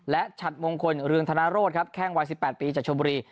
และฉัดมงคลเรืองธนโรธครับแข้งวัย๑๘ปีจากชมบุรี